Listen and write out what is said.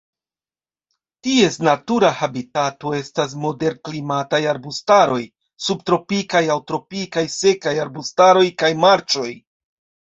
Ties natura habitato estas moderklimataj arbustaroj, subtropikaj aŭ tropikaj sekaj arbustaroj kaj marĉoj.